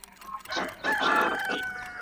لويس د دې نومونو ترمنځ د ډېر توپير پلوى نه دى.